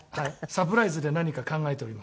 サプライズで何か考えております。